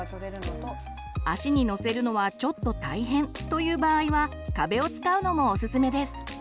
足に乗せるのはちょっと大変という場合は壁を使うのもおすすめです。